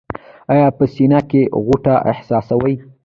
ایا په سینه کې غوټه احساسوئ؟